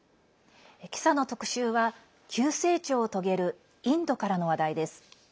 今朝の特集は急成長を遂げるインドからの話題です。